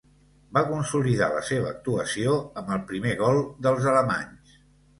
Va consolidar la seva actuació amb el primer gol dels alemanys.